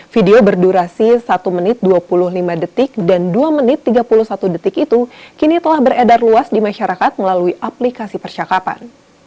video berdurasi satu menit dua puluh lima detik dan dua menit tiga puluh satu detik itu kini telah beredar luas di masyarakat melalui aplikasi percakapan